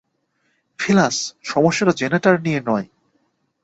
ফেলাস, সমস্যাটা জেনারেটর নিয়ে নয়!